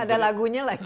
dan ada lagunya lagi